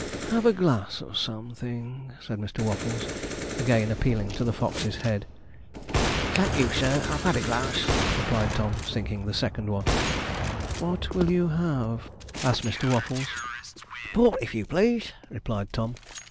'Have a glass of something,' said Mr. Waffles, again appealing to the Fox's head. 'Thank you, sir, I've had a glass,' replied Tom, sinking the second one. 'What will you have?' asked Mr. Waffles. 'Port, if you please,' replied Tom.